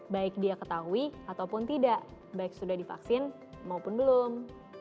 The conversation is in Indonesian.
baik dia ketahui ataupun tidak baik sudah divaksin maupun belum